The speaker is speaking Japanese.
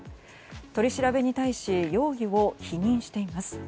取り調べに対し容疑を否認しています。